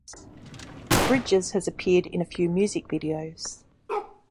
Bridges has appeared in a few music videos.